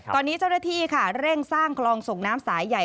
ตอนนี้เจ้าหน้าที่ค่ะเร่งสร้างคลองส่งน้ำสายใหญ่